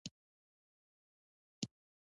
بس